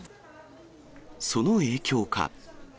その影響か。